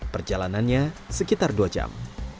perjalanannya sekitar dua jam